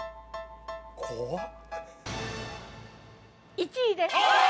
１位です。